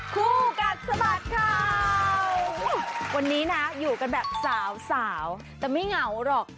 คู่กัดสะบัดข่าววันนี้นะอยู่กันแบบสาวสาวแต่ไม่เหงาหรอก